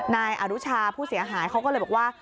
นายอนุชาผู้เสียหายเขาก็เลยบอกว่า